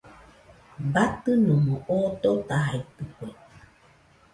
Batɨnomo oo dotajaitɨkue.